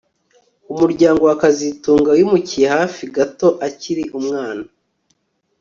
Umuryango wa kazitunga wimukiye hafi gato akiri umwana